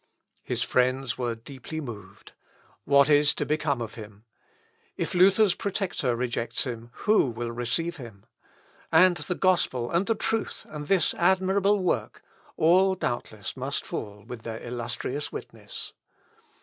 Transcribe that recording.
His friends were deeply moved. What is to become of him? If Luther's protector rejects him, who will receive him? And the gospel, and the truth, and this admirable work ...; all doubtless must fall with their illustrious witness.